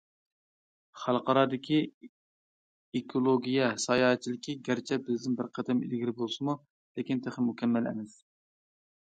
خەلقئارادىكى ئېكولوگىيە ساياھەتچىلىكى گەرچە بىزدىن بىر قەدەم ئىلگىرى بولسىمۇ، لېكىن تېخى مۇكەممەل ئەمەس.